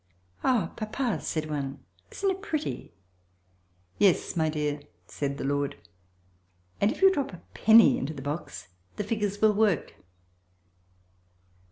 "O Papa!" said one, "isn't it pretty?" "Yes, my dear," said the Lord, "and if you drop a penny into the box the figures will work."